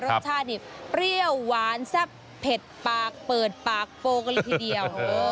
รสชาตินี่เปรี้ยวหวานแซ่บเผ็ดปากเปิดปากโฟกันเลยทีเดียว